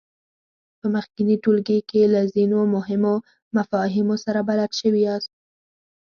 په مخکېني ټولګي کې له ځینو مهمو مفاهیمو سره بلد شوي یاست.